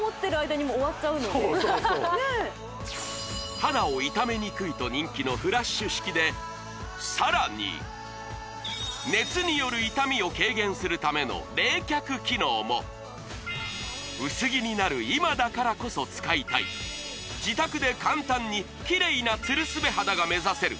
肌を傷めにくいと人気のフラッシュ式でさらに熱による痛みを軽減するための冷却機能も薄着になる今だからこそ使いたい自宅で簡単にキレイなつるすべ肌が目指せる